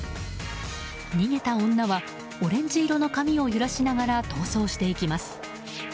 逃げた女はオレンジ色の髪を揺らしながら逃走していきます。